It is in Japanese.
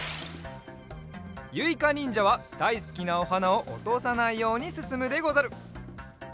ゆいかにんじゃはだいすきなおはなをおとさないようにすすむでござる。